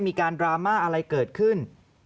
มีการดราม่าอะไรเกิดขึ้น